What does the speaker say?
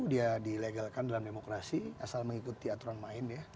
dia dilegalkan dalam demokrasi asal mengikuti aturan main ya